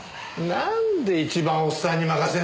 なんで一番おっさんに任せんだよー。